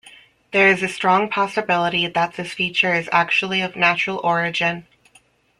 There is a strong possibility that this feature is actually of natural origin.